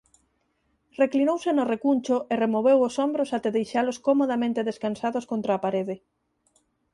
Reclinouse no recuncho e removeu os ombros até deixalos comodamente descansados contra a parede.